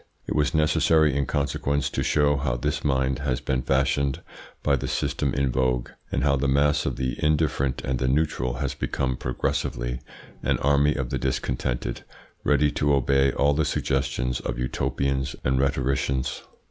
It was necessary in consequence to show how this mind has been fashioned by the system in vogue, and how the mass of the indifferent and the neutral has become progressively an army of the discontented ready to obey all the suggestions of utopians and rhetoricians.